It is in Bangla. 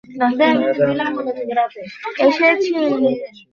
ভরসা ছাড়া কি এতদূর এসেছি?